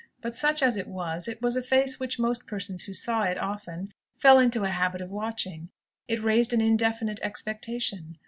But such as it was, it was a face which most persons who saw it often, fell into a habit of watching. It raised an indefinite expectation.